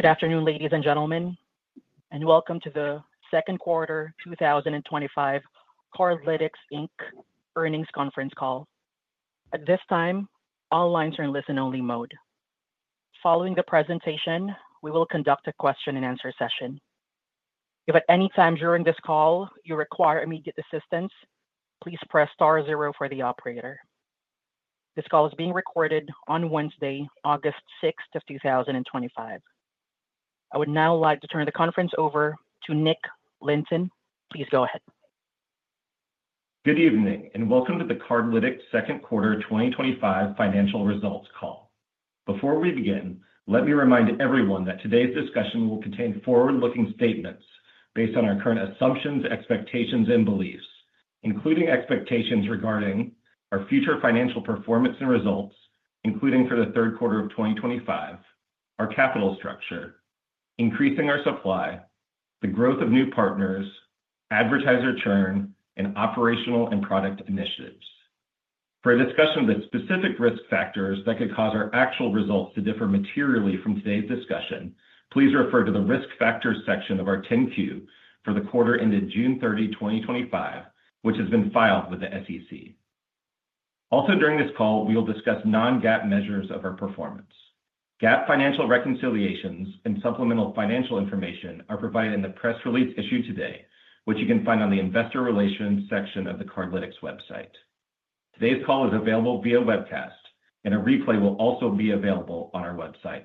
Good afternoon, ladies and gentlemen, and welcome to the second quarter 2025 Cardlytics' Earnings Conference Call. At this time, all lines are in listen-only mode. Following the presentation, we will conduct a question-and-answer session. If at any time during this call you require immediate assistance, please press star zero for the operator. This call is being recorded on Wednesday, August 6, 2025. I would now like to turn the conference over to Nick Lynton. Please go ahead. Good evening and welcome to the Cardlytics' Second Quarter 2025 Financial Results Call. Before we begin, let me remind everyone that today's discussion will contain forward-looking statements based on our current assumptions, expectations, and beliefs, including expectations regarding our future financial performance and results, including for the third quarter of 2025, our capital structure, increasing our supply, the growth of new partners, advertiser churn, and operational and product initiatives. For a discussion of the specific risk factors that could cause our actual results to differ materially from today's discussion, please refer to the risk factors section of our 10-Q for the quarter ended June 30, 2025, which has been filed with the SEC. Also, during this call, we will discuss non-GAAP measures of our performance. GAAP financial reconciliations and supplemental financial information are provided in the press release issued today, which you can find on the investor relations section of the Cardlytics website. Today's call is available via webcast, and a replay will also be available on our website.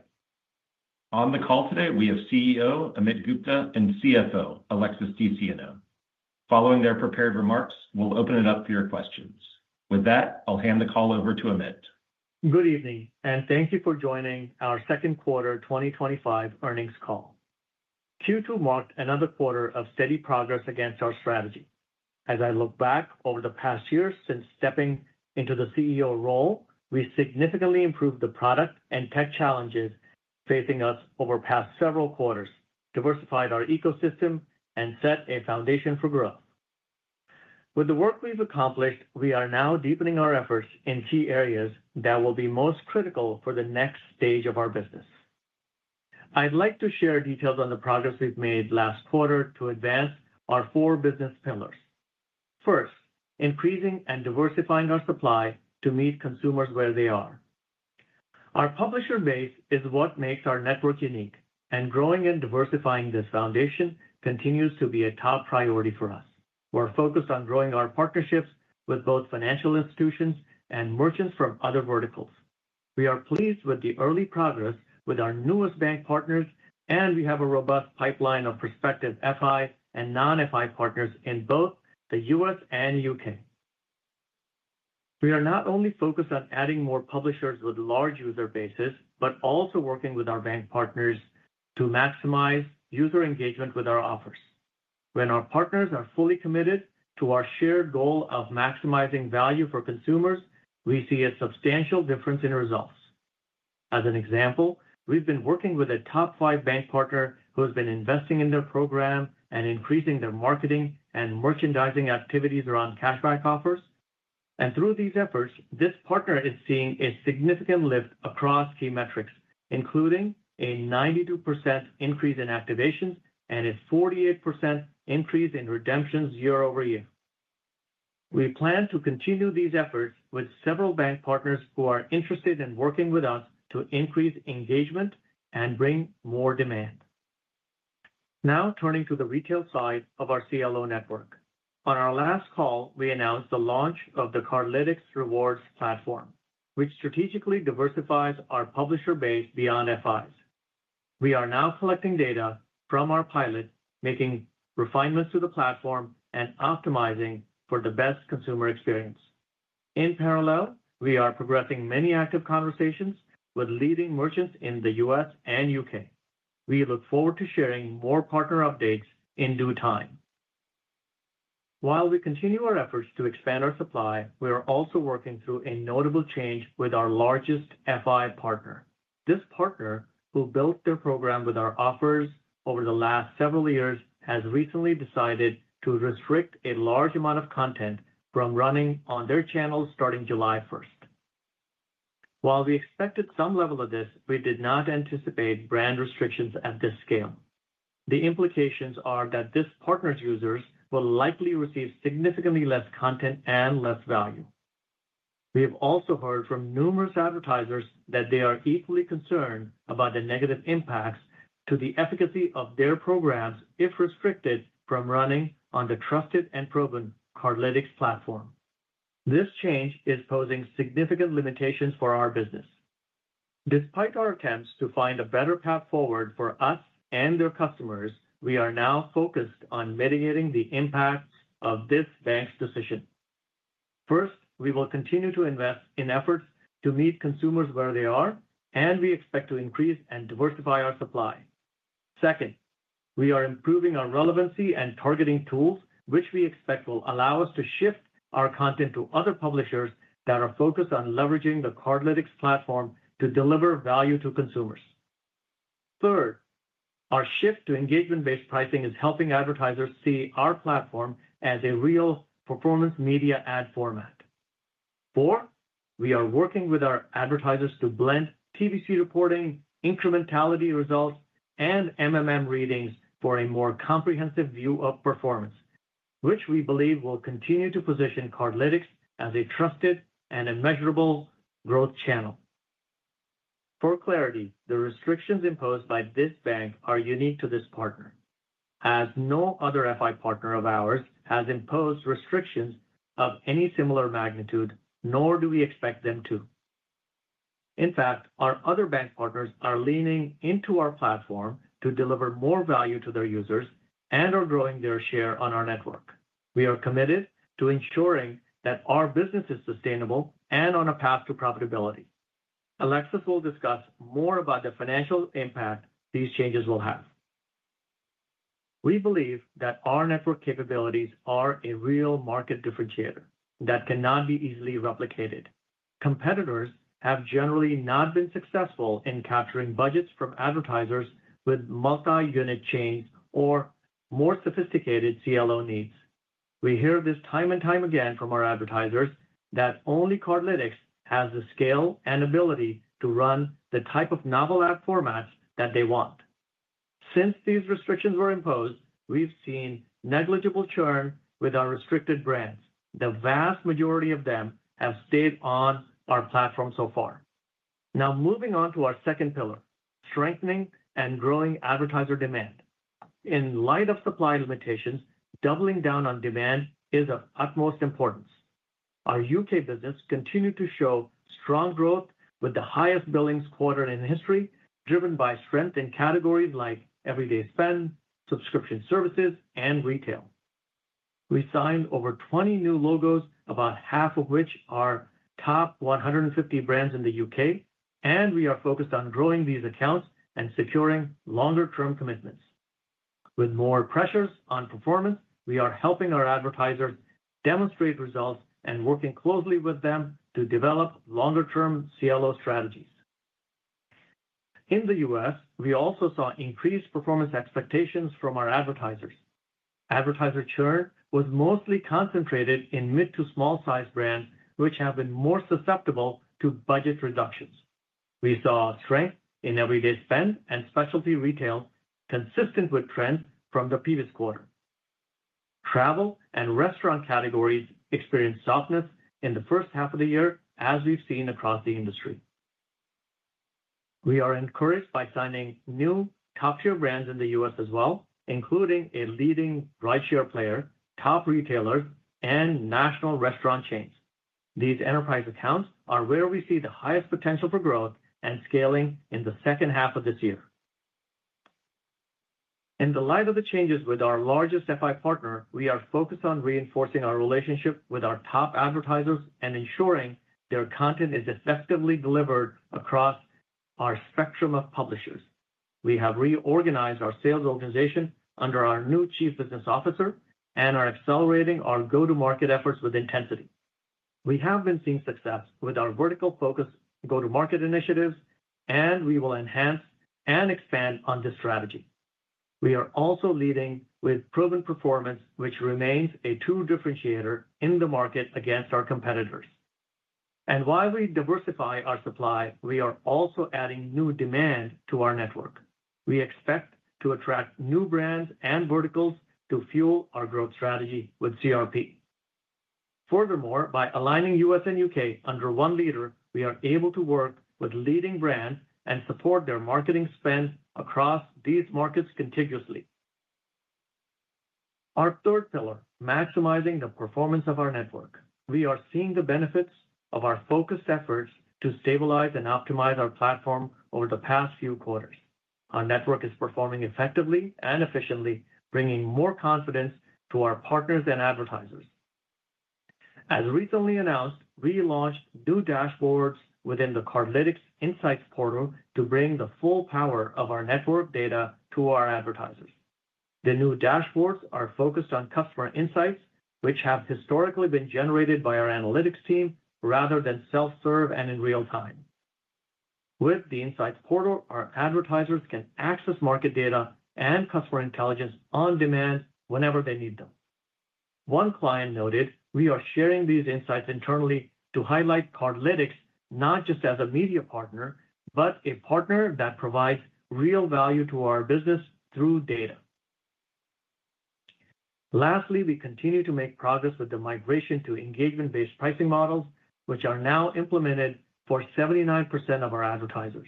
On the call today, we have CEO Amit Gupta and CFO Alexis DeSieno. Following their prepared remarks, we'll open it up for your questions. With that, I'll hand the call over to Amit. Good evening, and thank you for joining our Second Quarter 2025 Earnings Call. Q2 marked another quarter of steady progress against our strategy. As I look back over the past year since stepping into the CEO role, we significantly improved the product and tech challenges facing us over the past several quarters, diversified our ecosystem, and set a foundation for growth. With the work we've accomplished, we are now deepening our efforts in key areas that will be most critical for the next stage of our business. I'd like to share details on the progress we've made last quarter to advance our four business pillars. First, increasing and diversifying our supply to meet consumers where they are. Our publisher base is what makes our network unique, and growing and diversifying this foundation continues to be a top priority for us. We're focused on growing our partnerships with both financial institutions and merchants from other verticals. We are pleased with the early progress with our newest bank partners, and we have a robust pipeline of prospective FI and non-FI partners in both the U.S. and U.K. We are not only focused on adding more publishers with large user bases, but also working with our bank partners to maximize user engagement with our offers. When our partners are fully committed to our shared goal of maximizing value for consumers, we see a substantial difference in results. For example, we've been working with a top five bank partner who has been investing in their program and increasing their marketing and merchandising activities around cashback offers. Through these efforts, this partner is seeing a significant lift across key metrics, including a 92% increase in activations and a 48% increase in redemptions year over year. We plan to continue these efforts with several bank partners who are interested in working with us to increase engagement and bring more demand. Now turning to the retail side of our CLO network. On our last call, we announced the launch of the Cardlytics Rewards Platform, which strategically diversifies our publisher base beyond FIs. We are now collecting data from our pilot, making refinements to the platform, and optimizing for the best consumer experience. In parallel, we are progressing many active conversations with leading merchants in the U.S. and U.K. We look forward to sharing more partner updates in due time. While we continue our efforts to expand our supply, we are also working through a notable change with our largest FI partner. This partner, who built their program with our offers over the last several years, has recently decided to restrict a large amount of content from running on their channels starting July 1st. While we expected some level of this, we did not anticipate brand restrictions at this scale. The implications are that this partner's users will likely receive significantly less content and less value. We have also heard from numerous advertisers that they are equally concerned about the negative impacts to the efficacy of their programs if restricted from running on the trusted and proven Cardlytics platform. This change is posing significant limitations for our business. Despite our attempts to find a better path forward for us and their customers, we are now focused on mitigating the impacts of this bank's decision. First, we will continue to invest in efforts to meet consumers where they are, and we expect to increase and diversify our supply. Second, we are improving our relevancy and targeting tools, which we expect will allow us to shift our content to other publishers that are focused on leveraging the Cardlytics platform to deliver value to consumers. Third, our shift to engagement-based pricing is helping advertisers see our platform as a real performance media ad format. Fourth, we are working with our advertisers to blend TVC reporting, incrementality results, and ratings for a more comprehensive view of performance, which we believe will continue to position Cardlytics as a trusted and immeasurable growth channel. For clarity, the restrictions imposed by this bank are unique to this partner, as no other FI partner of ours has imposed restrictions of any similar magnitude, nor do we expect them to. In fact, our other bank partners are leaning into our platform to deliver more value to their users and are growing their share on our network. We are committed to ensuring that our business is sustainable and on a path to profitability. Alexis will discuss more about the financial impact these changes will have. We believe that our network capabilities are a real market differentiator that cannot be easily replicated. Competitors have generally not been successful in capturing budgets from advertisers with multi-unit chains or more sophisticated CLO needs. We hear this time and time again from our advertisers that only Cardlytics has the scale and ability to run the type of novel ad formats that they want. Since these restrictions were imposed, we've seen negligible churn with our restricted brands. The vast majority of them have stayed on our platform so far. Now moving on to our second pillar: strengthening and growing advertiser demand. In light of supply limitations, doubling down on demand is of utmost importance. Our U.K. business continued to show strong growth with the highest billings quarter in history, driven by strength in categories like everyday spend, subscription services, and retail. We signed over 20 new logos, about 1/2 of which are top 150 brands in the U.K., and we are focused on growing these accounts and securing longer-term commitments. With more pressures on performance, we are helping our advertisers demonstrate results and working closely with them to develop longer-term CLO strategies. In the U.S., we also saw increased performance expectations from our advertisers. Advertiser churn was mostly concentrated in mid to small-sized brands, which have been more susceptible to budget reductions. We saw strength in everyday spend and specialty retail, consistent with trends from the previous quarter. Travel and restaurant categories experienced softness in the first half of the year, as we've seen across the industry. We are encouraged by signing new top-tier brands in the U.S. as well, including a leading rideshare player, top retailers, and national restaurant chains. These enterprise accounts are where we see the highest potential for growth and scaling in the second half of this year. In the light of the changes with our largest FI partner, we are focused on reinforcing our relationship with our top advertisers and ensuring their content is effectively delivered across our spectrum of publishers. We have reorganized our sales organization under our new Chief Business Officer and are accelerating our go-to-market efforts with intensity. We have been seeing success with our vertical-focused go-to-market initiatives, and we will enhance and expand on this strategy. We are also leading with proven performance, which remains a true differentiator in the market against our competitors. While we diversify our supply, we are also adding new demand to our network. We expect to attract new brands and verticals to fuel our growth strategy with CRP. Furthermore, by aligning U.S. and U.K. under one leader, we are able to work with leading brands and support their marketing spend across these markets contiguously. Our third pillar: maximizing the performance of our network. We are seeing the benefits of our focused efforts to stabilize and optimize our platform over the past few quarters. Our network is performing effectively and efficiently, bringing more confidence to our partners and advertisers. As recently announced, we launched new dashboards within the Cardlytics Insights portal to bring the full power of our network data to our advertisers. The new dashboards are focused on customer insights, which have historically been generated by our analytics team rather than self-serve and in real time. With the Insights portal, our advertisers can access market data and customer intelligence on demand whenever they need them. One client noted we are sharing these insights internally to highlight Cardlytics not just as a media partner, but a partner that provides real value to our business through data. Lastly, we continue to make progress with the migration to engagement-based pricing models, which are now implemented for 79% of our advertisers.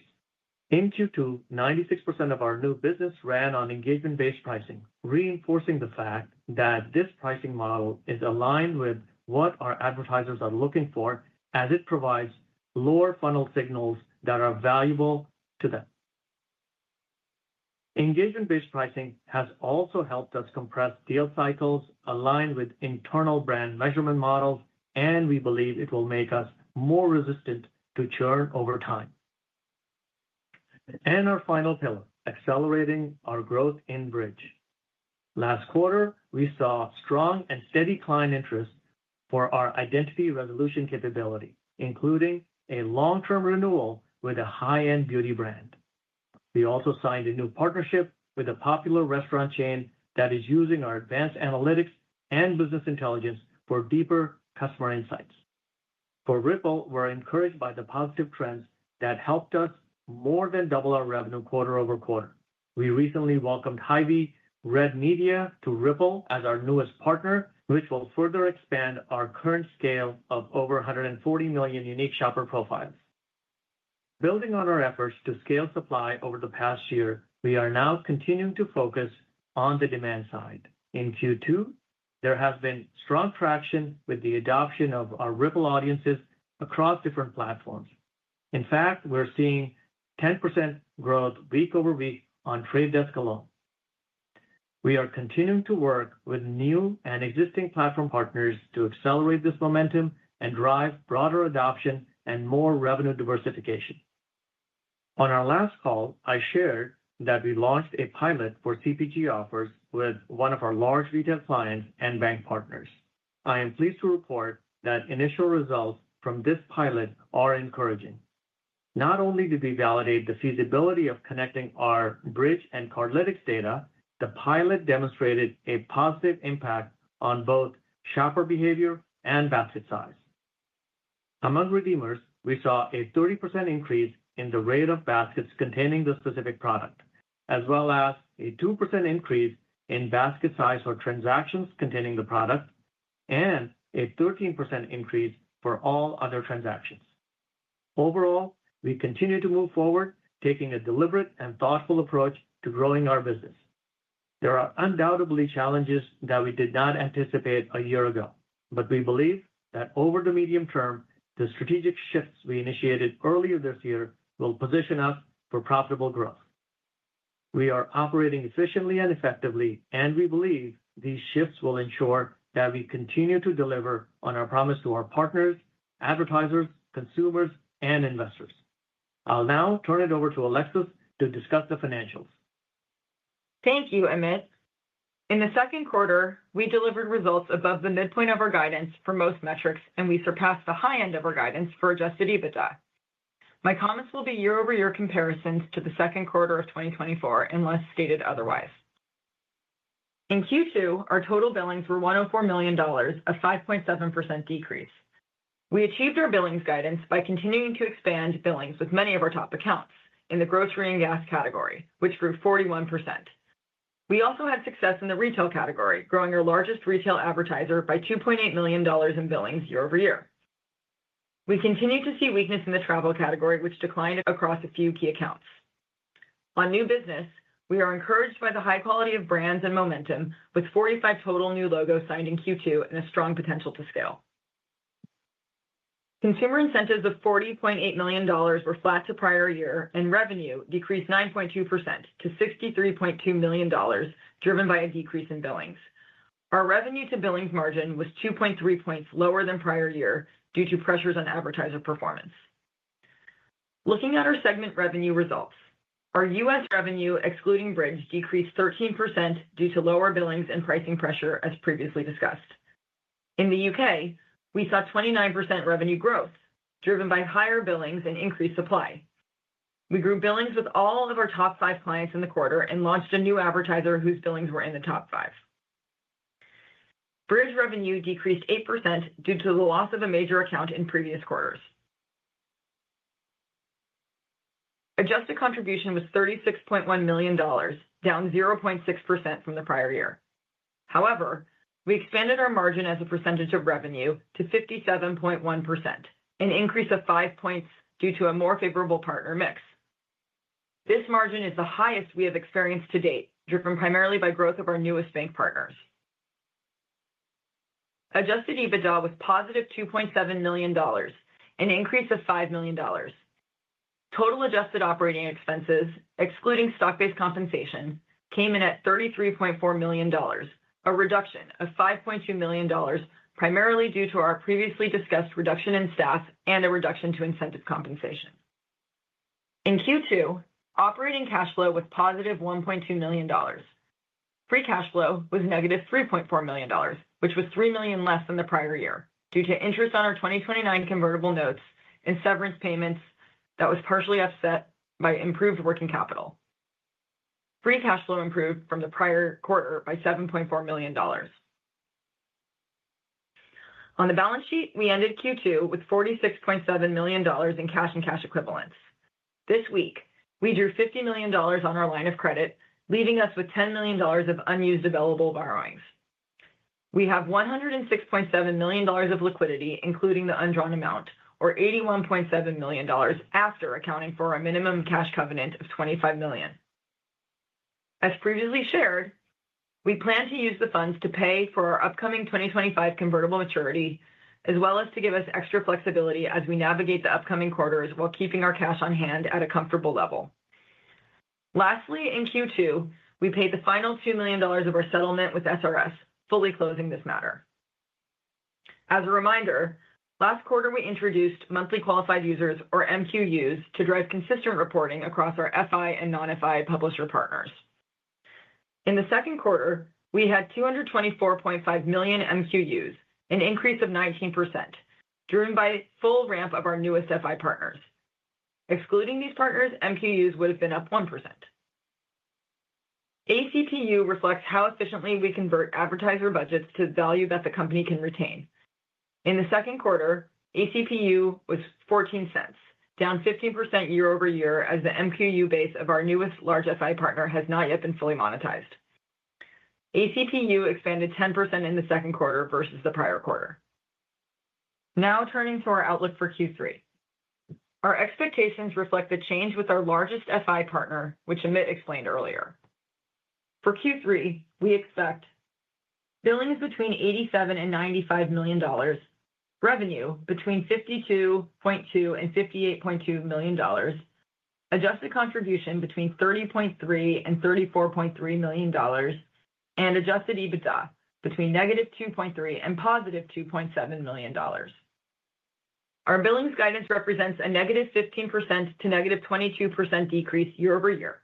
In Q2, 96% of our new business ran on engagement-based pricing, reinforcing the fact that this pricing model is aligned with what our advertisers are looking for, as it provides lower funnel signals that are valuable to them. Engagement-based pricing has also helped us compress deal cycles, align with internal brand measurement models, and we believe it will make us more resistant to churn over time. Our final pillar: accelerating our growth in Bridg. Last quarter, we saw strong and steady client interest for our identity resolution capability, including a long-term renewal with a high-end beauty brand. We also signed a new partnership with a popular restaurant chain that is using our advanced analytics and business intelligence for deeper customer insights. For Rippl, we're encouraged by the positive trends that helped us more than double our revenue quarter over quarter. We recently welcomed Hy-Vee RedMedia to Rippl as our newest partner, which will further expand our current scale of over 140 million unique shopper profiles. Building on our efforts to scale supply over the past year, we are now continuing to focus on the demand side. In Q2, there has been strong traction with the adoption of our Rippl audiences across different platforms. In fact, we're seeing 10% growth week over week on Trade Desk alone. We are continuing to work with new and existing platform partners to accelerate this momentum and drive broader adoption and more revenue diversification. On our last call, I shared that we launched a pilot for CPG offers with one of our large retail clients and bank partners. I am pleased to report that initial results from this pilot are encouraging. Not only did we validate the feasibility of connecting our Bridg and Cardlytics data, the pilot demonstrated a positive impact on both shopper behavior and basket size. Among redeemers, we saw a 30% increase in the rate of baskets containing the specific product, as well as a 2% increase in basket size for transactions containing the product, and a 13% increase for all other transactions. Overall, we continue to move forward, taking a deliberate and thoughtful approach to growing our business. There are undoubtedly challenges that we did not anticipate a year ago, but we believe that over the medium term, the strategic shifts we initiated earlier this year will position us for profitable growth. We are operating efficiently and effectively, and we believe these shifts will ensure that we continue to deliver on our promise to our partners, advertisers, consumers, and investors. I'll now turn it over to Alexis to discuss the financials. Thank you, Amit. In the second quarter, we delivered results above the midpoint of our guidance for most metrics, and we surpassed the high end of our guidance for adjusted EBITDA. My comments will be year-over-year comparisons to the second quarter of 2024, unless stated otherwise. In Q2, our total billings were $104 million, a 5.7% decrease. We achieved our billings guidance by continuing to expand billings with many of our top accounts in the grocery and gas category, which grew 41%. We also had success in the retail category, growing our largest retail advertiser by $2.8 million in billings year-over-year. We continue to see weakness in the travel category, which declined across a few key accounts. On new business, we are encouraged by the high quality of brands and momentum, with 45 total new logos signed in Q2 and a strong potential to scale. Consumer incentives of $40.8 million were flat to prior year, and revenue decreased 9.2% to $63.2 million, driven by a decrease in billings. Our revenue-to-billings margin was 2.3 points lower than prior year due to pressures on advertiser performance. Looking at our segment revenue results, our U.S. revenue, excluding Bridg, decreased 13% due to lower billings and pricing pressure, as previously discussed. In the U.K., we saw 29% revenue growth, driven by higher billings and increased supply. We grew billings with all of our top five clients in the quarter and launched a new advertiser whose billings were in the top five. Bridg revenue decreased 8% due to the loss of a major account in previous quarters. Adjusted contribution was $36.1 million, down 0.6% from the prior year. However, we expanded our margin as a percentage of revenue to 57.1%, an increase of five points due to a more favorable partner mix. This margin is the highest we have experienced to date, driven primarily by growth of our newest bank partners. Adjusted EBITDA was +$2.7 million, an increase of $5 million. Total adjusted operating expenses, excluding stock-based compensation, came in at $33.4 million, a reduction of $5.2 million, primarily due to our previously discussed reduction in staff and a reduction to incentive compensation. In Q2, operating cash flow was +$1.2 million. Free cash flow was -$3.4 million, which was $3 million less than the prior year, due to interest on our 2029 convertible notes and severance payments that was partially offset by improved working capital. Free cash flow improved from the prior quarter by $7.4 million. On the balance sheet, we ended Q2 with $46.7 million in cash and cash equivalents. This week, we drew $50 million on our line of credit, leaving us with $10 million of unused available borrowings. We have $106.7 million of liquidity, including the undrawn amount, or $81.7 million after accounting for our minimum cash covenant of $25 million. As previously shared, we plan to use the funds to pay for our upcoming 2025 convertible maturity, as well as to give us extra flexibility as we navigate the upcoming quarters while keeping our cash on hand at a comfortable level. Lastly, in Q2, we paid the final $2 million of our settlement with SRS, fully closing this matter. As a reminder, last quarter we introduced monthly qualified users, or MQUs, to drive consistent reporting across our FI and non-FI publisher partners. In the second quarter, we had 224.5 million MQUs, an increase of 19%, driven by a full ramp of our newest FI partners. Excluding these partners, MQUs would have been up 1%. ACPU reflects how efficiently we convert advertiser budgets to value that the company can retain. In the second quarter, ACPU was $0.14, down 15% year-over-year, as the MQU base of our newest large FI partner has not yet been fully monetized. ACPU expanded 10% in the second quarter versus the prior quarter. Now turning to our outlook for Q3. Our expectations reflect the change with our largest FI partner, which Amit explained earlier. For Q3, we expect billings between $87 million-$95 million, revenue between $52.2 million-$58.2 million, adjusted contribution between $30.3 million-$34.3 million, and adjusted EBITDA between -$2.3 million and +$2.7 million. Our billings guidance represents a-15% to -22% decrease year-over-year.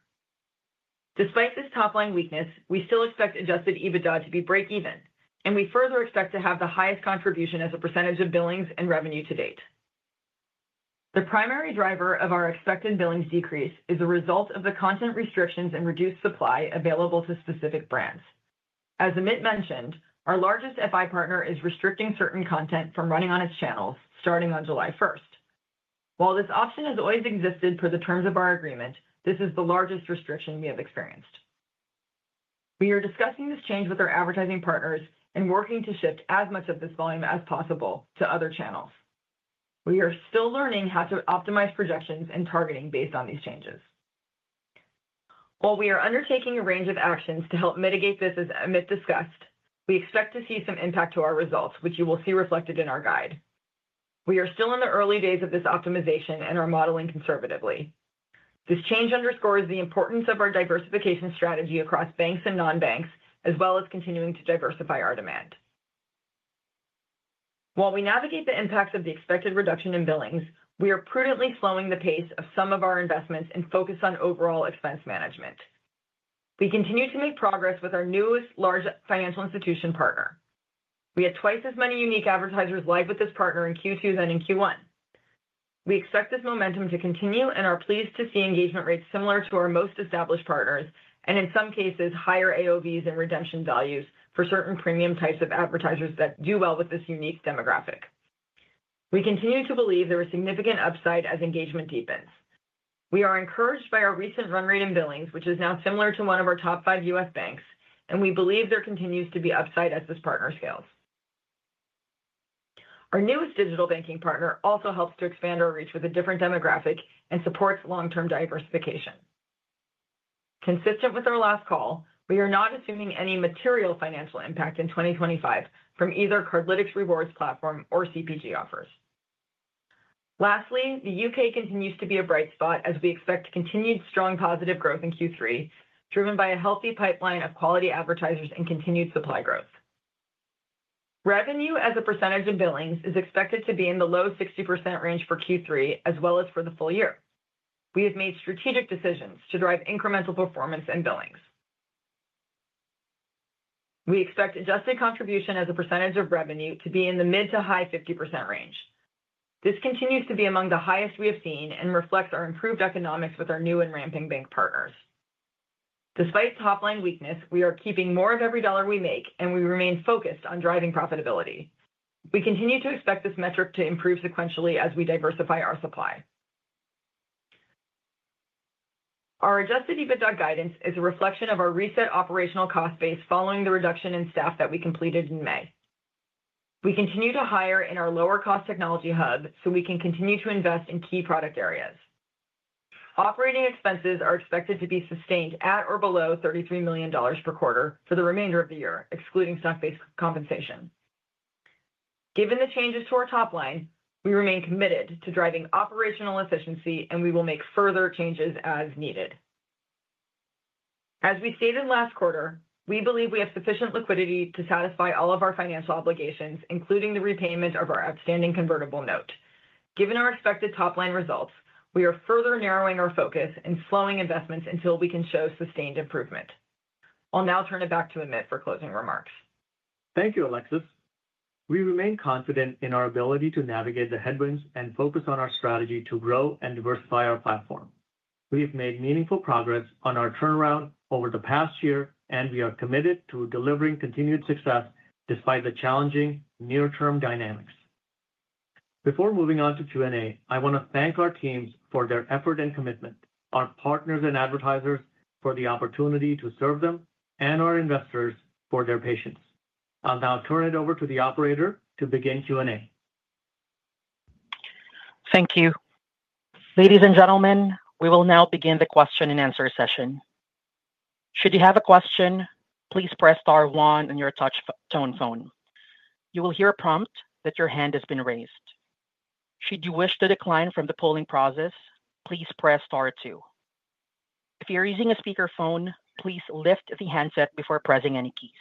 Despite this top-line weakness, we still expect adjusted EBITDA to be breakeven, and we further expect to have the highest contribution as a percentage of billings and revenue to date. The primary driver of our expected billings decrease is a result of the content restrictions and reduced supply available to specific brands. As Amit mentioned, our largest FI partner is restricting certain content from running on its channels starting on July 1st. While this option has always existed per the terms of our agreement, this is the largest restriction we have experienced. We are discussing this change with our advertising partners and working to shift as much of this volume as possible to other channels. We are still learning how to optimize projections and targeting based on these changes. While we are undertaking a range of actions to help mitigate this, as Amit discussed, we expect to see some impact to our results, which you will see reflected in our guide. We are still in the early days of this optimization and are modeling conservatively. This change underscores the importance of our diversification strategy across banks and non-banks, as well as continuing to diversify our demand. While we navigate the impacts of the expected reduction in billings, we are prudently slowing the pace of some of our investments and focus on overall expense management. We continue to make progress with our newest large financial institution partner. We had twice as many unique advertisers live with this partner in Q2 than in Q1. We expect this momentum to continue and are pleased to see engagement rates similar to our most established partners, and in some cases, higher AOVs and redemption values for certain premium types of advertisers that do well with this unique demographic. We continue to believe there is significant upside as engagement deepens. We are encouraged by our recent run rate in billings, which is now similar to one of our top five U.S. banks, and we believe there continues to be upside as this partner scales. Our newest digital banking partner also helps to expand our reach with a different demographic and supports long-term diversification. Consistent with our last call, we are not assuming any material financial impact in 2025 from either Cardlytics Rewards Platform or CPG offers. Lastly, the U.K. continues to be a bright spot as we expect continued strong positive growth in Q3, driven by a healthy pipeline of quality advertisers and continued supply growth. Revenue as a percentage of billings is expected to be in the low 60% range for Q3, as well as for the full year. We have made strategic decisions to drive incremental performance and billings. We expect adjusted contribution as a percentage of revenue to be in the mid to high 50% range. This continues to be among the highest we have seen and reflects our improved economics with our new and ramping bank partners. Despite top-line weakness, we are keeping more of every dollar we make, and we remain focused on driving profitability. We continue to expect this metric to improve sequentially as we diversify our supply. Our adjusted EBITDA guidance is a reflection of our reset operational cost base following the reduction in staff that we completed in May. We continue to hire in our lower-cost technology hub so we can continue to invest in key product areas. Operating expenses are expected to be sustained at or below $33 million per quarter for the remainder of the year, excluding stock-based compensation. Given the changes to our top line, we remain committed to driving operational efficiency, and we will make further changes as needed. As we stated last quarter, we believe we have sufficient liquidity to satisfy all of our financial obligations, including the repayment of our outstanding convertible note. Given our expected top-line results, we are further narrowing our focus and slowing investments until we can show sustained improvement. I'll now turn it back to Amit for closing remarks. Thank you, Alexis. We remain confident in our ability to navigate the headwinds and focus on our strategy to grow and diversify our platform. We have made meaningful progress on our turnaround over the past year, and we are committed to delivering continued success despite the challenging near-term dynamics. Before moving on to Q&A, I want to thank our teams for their effort and commitment, our partners and advertisers for the opportunity to serve them, and our investors for their patience. I'll now turn it over to the operator to begin Q&A. Thank you. Ladies and gentlemen, we will now begin the question-and-answer session. Should you have a question, please press star one on your touch-tone phone. You will hear a prompt that your hand has been raised. Should you wish to decline from the polling process, please press star two. If you're using a speaker phone, please lift the handset before pressing any keys.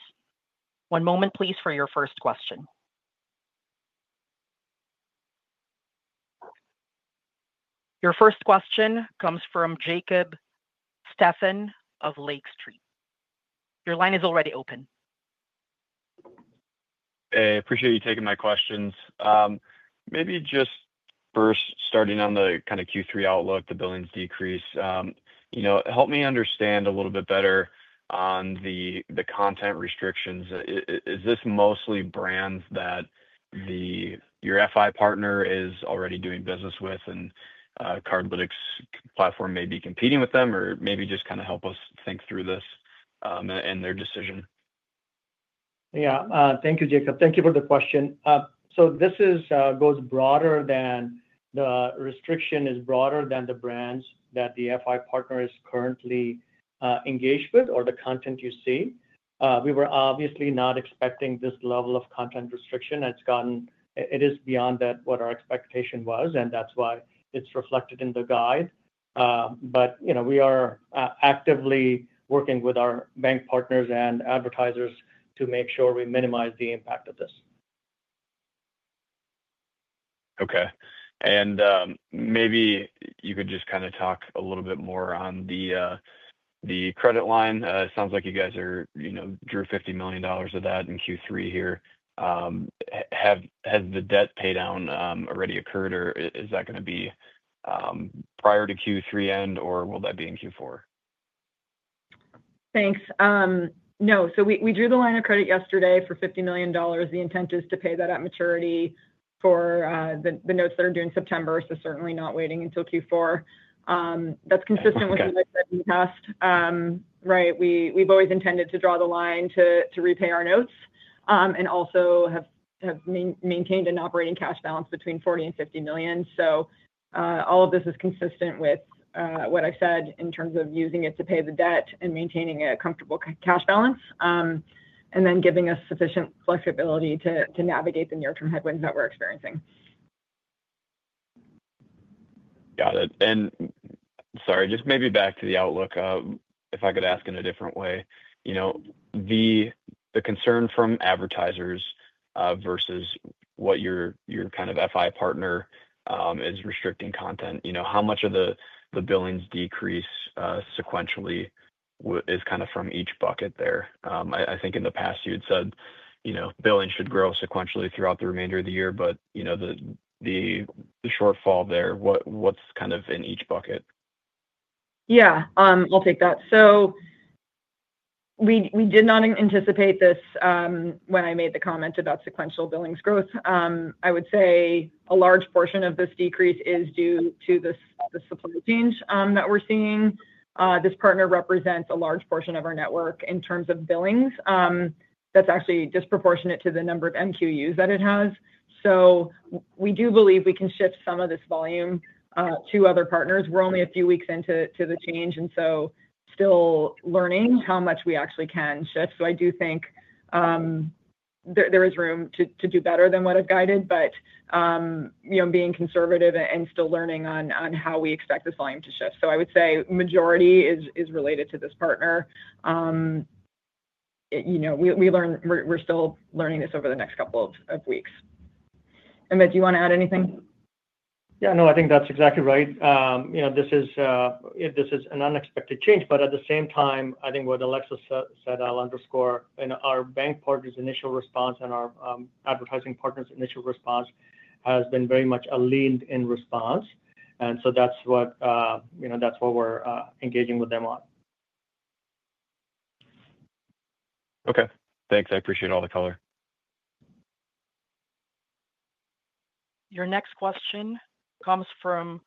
One moment, please, for your first question. Your first question comes from Jacob Stephan of Lake Street. Your line is already open. I appreciate you taking my questions. Maybe just first starting on the kind of Q3 outlook, the billings decrease. Help me understand a little bit better on the content restrictions. Is this mostly brands that your FI partner is already doing business with and Cardlytics' platform may be competing with them, or maybe just kind of help us think through this and their decision? Thank you, Jacob. Thank you for the question. This goes broader than the restriction is broader than the brands that the FI partner is currently engaged with or the content you see. We were obviously not expecting this level of content restriction. It's gotten, it is beyond what our expectation was, and that's why it's reflected in the guide. We are actively working with our bank partners and advertisers to make sure we minimize the impact of this. Okay. Could you just kind of talk a little bit more on the credit line? It sounds like you guys drew $50 million of that in Q3 here. Has the debt paydown already occurred, or is that going to be prior to Q3 end, or will that be in Q4? Thanks. No, we drew the line of credit yesterday for $50 million. The intent is to pay that at maturity for the notes that are due in September, certainly not waiting until Q4. That's consistent with the notes that we passed, right? We've always intended to draw the line to repay our notes and also have maintained an operating cash balance between $40 million-$50 million. All of this is consistent with what I've said in terms of using it to pay the debt and maintaining a comfortable cash balance, then giving us sufficient flexibility to navigate the near-term headwinds that we're experiencing. Got it. Sorry, just maybe back to the outlook. If I could ask in a different way, you know, the concern from advertisers versus what your kind of FI partner is restricting content, you know, how much of the billings decrease sequentially is from each bucket there? I think in the past you had said billings should grow sequentially throughout the remainder of the year, but the shortfall there, what's in each bucket? Yeah, I'll take that. We did not anticipate this when I made the comment about sequential billings growth. I would say a large portion of this decrease is due to the supply change that we're seeing. This partner represents a large portion of our network in terms of billings. That's actually disproportionate to the number of MQUs that it has. We do believe we can shift some of this volume to other partners. We're only a few weeks into the change, and still learning how much we actually can shift. I do think there is room to do better than what I've guided, but being conservative and still learning on how we expect this volume to shift. I would say majority is related to this partner. We're still learning this over the next couple of weeks. Amit, do you want to add anything? Yeah, no, I think that's exactly right. This is an unexpected change, but at the same time, I think what Alexis said, I'll underscore, our bank partner's initial response and our advertising partner's initial response has been very much a leaned-in response. That's what we're engaging with them on. Okay. Thanks. I appreciate all the color. Your next question comes from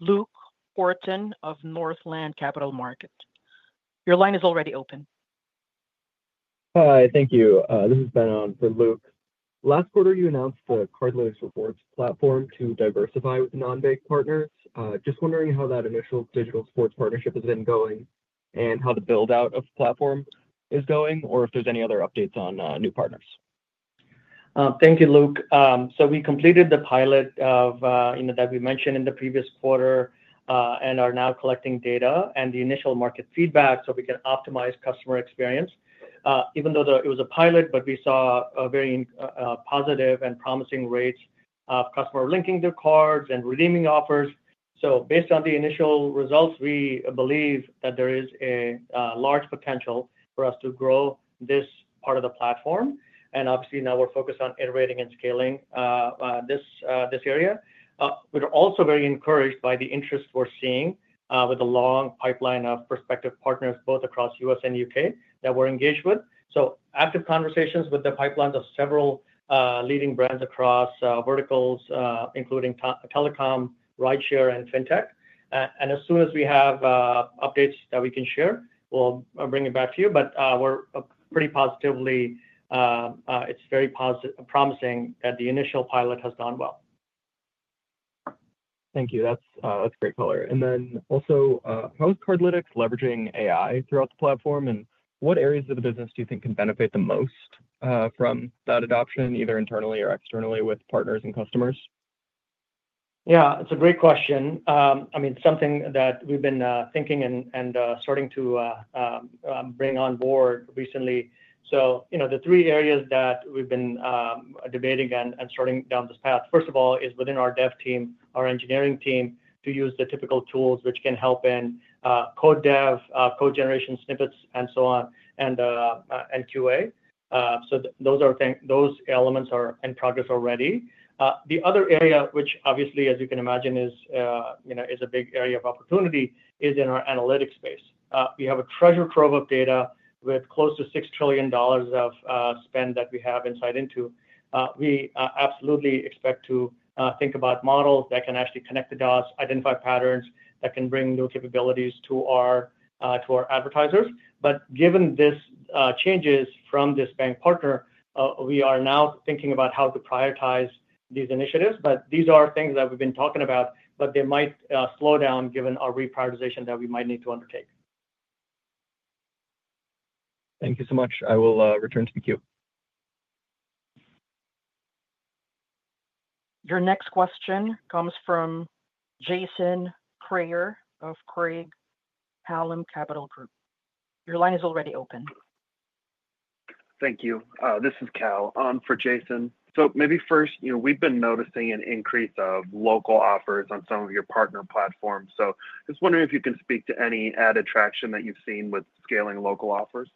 Luke Orton of Northland Capital Markets. Your line is already open. Hi, thank you. This is Ben for Luke. Last quarter, you announced the Cardlytics Rewards Platform to diversify with non-bank partners. Just wondering how that initial digital sports partnership has been going and how the build-out of the platform is going, or if there's any other updates on new partners. Thank you, Luke. We completed the pilot that we mentioned in the previous quarter and are now collecting data and the initial market feedback so we can optimize customer experience. Even though it was a pilot, we saw very positive and promising rates of customers linking their cards and redeeming offers. Based on the initial results, we believe that there is a large potential for us to grow this part of the platform. Obviously, now we're focused on iterating and scaling this area. We're also very encouraged by the interest we're seeing with a long pipeline of prospective partners both across the U.S. and U.K. that we're engaged with. We have active conversations with the pipelines of several leading brands across verticals, including telecom, rideshare, and fintech. As soon as we have updates that we can share, we'll bring it back to you. We're pretty positive; it's very promising that the initial pilot has gone well. Thank you. That's great color. How is Cardlytics leveraging AI throughout the platform, and what areas of the business do you think can benefit the most from that adoption, either internally or externally with partners and customers? Yeah, it's a great question. I mean, something that we've been thinking and starting to bring on board recently. The three areas that we've been debating and starting down this path, first of all, is within our dev team, our engineering team, to use the typical tools which can help in code dev, code generation snippets, and so on, and QA. Those elements are in progress already. The other area, which obviously, as you can imagine, is a big area of opportunity, is in our analytics space. We have a treasure trove of data with close to $6 trillion of spend that we have insight into. We absolutely expect to think about models that can actually connect the dots, identify patterns that can bring new capabilities to our advertisers. Given these changes from this bank partner, we are now thinking about how to prioritize these initiatives. These are things that we've been talking about, but they might slow down given our reprioritization that we might need to undertake. Thank you so much. I will return to the queue. Your next question comes from Jason Cryer of Craig-Hallum. Your line is already open. Thank you. This is Cal on for Jason. We've been noticing an increase of local offers on some of your partner platforms. I was wondering if you can speak to any added traction that you've seen with scaling local offers.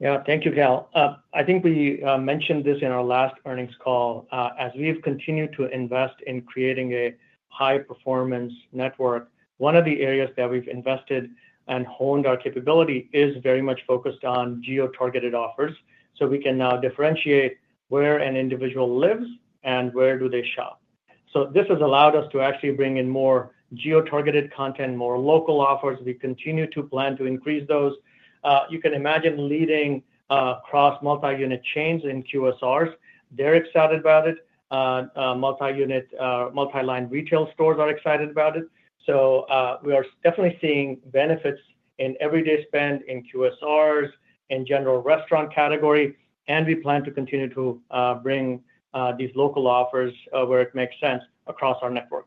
Thank you, Cal. I think we mentioned this in our last earnings call. As we have continued to invest in creating a high-performance network, one of the areas that we've invested and honed our capability is very much focused on geo-targeted offers, so we can now differentiate where an individual lives and where they shop. This has allowed us to actually bring in more geo-targeted content, more local offers. We continue to plan to increase those. You can imagine leading across multi-unit chains in QSRs. They're excited about it. Multi-unit or multi-line retail stores are excited about it. We are definitely seeing benefits in everyday spend in QSRs, in the general restaurant category, and we plan to continue to bring these local offers where it makes sense across our network.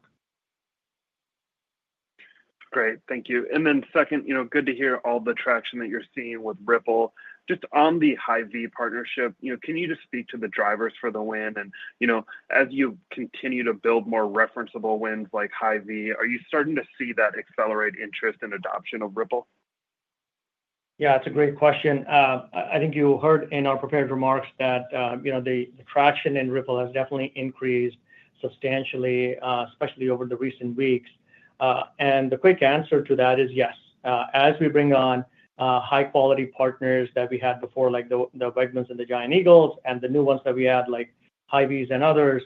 Great, thank you. Second, good to hear all the traction that you're seeing with Rippl. Just on the Hy-Vee partnership, can you speak to the drivers for the win? As you continue to build more referenceable wins like Hy-Vee, are you starting to see that accelerate interest and adoption of Rippl? Yeah, that's a great question. I think you heard in our prepared remarks that the traction in Rippl has definitely increased substantially, especially over the recent weeks. The quick answer to that is yes. As we bring on high-quality partners that we had before, like the Wegmans and the Giant Eagle, and the new ones that we had, like Hy-Vee and others,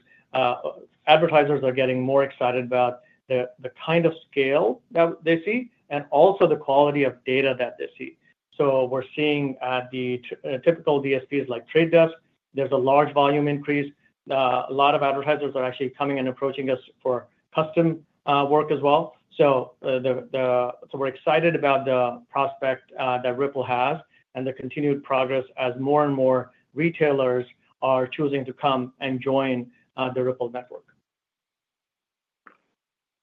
advertisers are getting more excited about the kind of scale that they see and also the quality of data that they see. We're seeing the typical DSPs like Trade Desk, there's a large volume increase. A lot of advertisers are actually coming and approaching us for custom work as well. We're excited about the prospect that Rippl has and the continued progress as more and more retailers are choosing to come and join the Rippl network.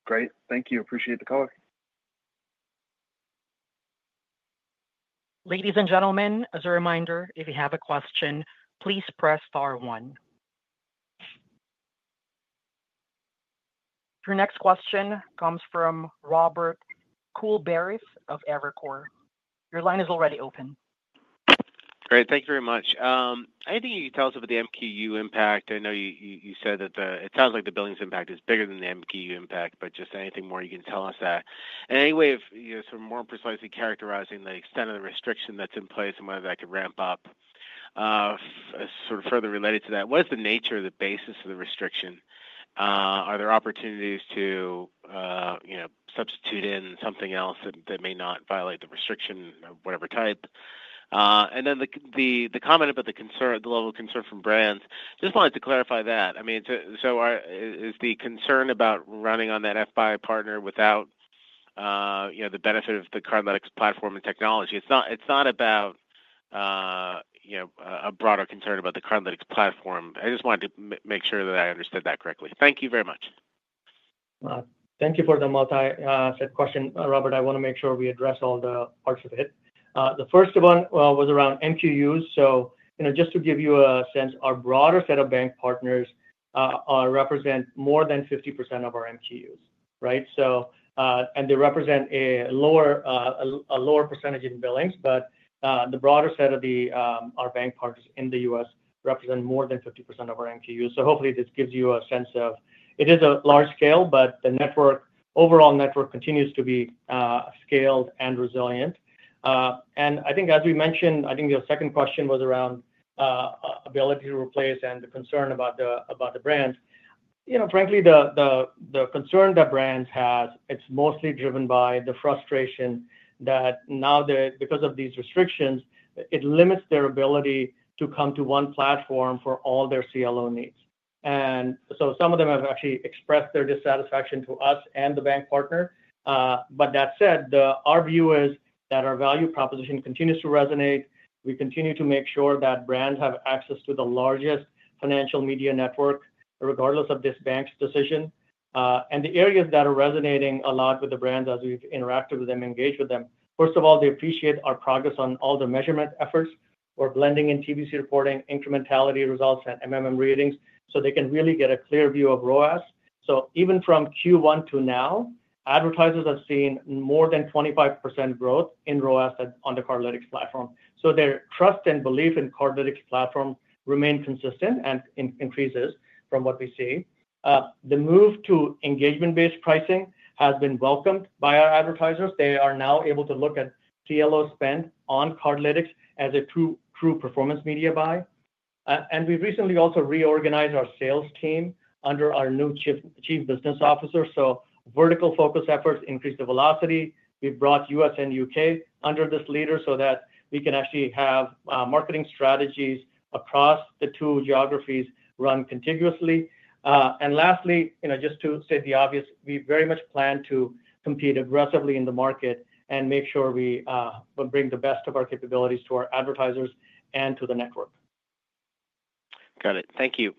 Great, thank you. Appreciate the color. Ladies and gentlemen, as a reminder, if you have a question, please press star one. Your next question comes from Robert Coolbrith of Evercore. Your line is already open. Great, thank you very much. Anything you can tell us about the MQU impact? I know you said that it sounds like the billings impact is bigger than the MQU impact, but just anything more you can tell us about that. Is there any way of more precisely characterizing the extent of the restriction that's in place and whether that could ramp up? Further related to that, what is the nature or basis of the restriction? Are there opportunities to substitute in something else that may not violate the restriction, whatever type? The comment about the concern, the local concern from brands, I just wanted to clarify that. Is the concern about running on that FI partner without the benefit of the Cardlytics platform and technology? It's not about a broader concern about the Cardlytics platform. I just wanted to make sure that I understood that correctly. Thank you very much. Thank you for the multi-set question, Robert. I want to make sure we address all the parts of it. The first one was around MQUs. Just to give you a sense, our broader set of bank partners represent more than 50% of our MQUs, right? They represent a lower percentage in billings, but the broader set of our bank partners in the U.S. represent more than 50% of our MQUs. Hopefully this gives you a sense of it is a large scale, but the overall network continues to be scaled and resilient. I think, as we mentioned, your second question was around ability to replace and the concern about the brands. Frankly, the concern that brands have is mostly driven by the frustration that now, because of these restrictions, it limits their ability to come to one platform for all their CLO needs. Some of them have actually expressed their dissatisfaction to us and the bank partner. That said, our view is that our value proposition continues to resonate. We continue to make sure that brands have access to the largest financial media network, regardless of this bank's decision. The areas that are resonating a lot with the brands as we've interacted with them, engaged with them, first of all, they appreciate our progress on all the measurement efforts. We're blending in TVC reporting, incrementality results, and ratings so they can really get a clear view of ROAS. Even from Q1 to now, advertisers have seen more than 25% growth in ROAS on the Cardlytics platform. Their trust and belief in Cardlytics' platform remain consistent and increases from what we see. The move to engagement-based pricing has been welcomed by our advertisers. They are now able to look at CLO spend on Cardlytics as a true performance media buy. We've recently also reorganized our sales team under our new Chief Business Officer. Vertical focus efforts increase the velocity. We've brought U.S. and U.K. under this leader so that we can actually have marketing strategies across the two geographies run contiguously. Lastly, just to say the obvious, we very much plan to compete aggressively in the market and make sure we bring the best of our capabilities to our advertisers and to the network. Got it. Thank you.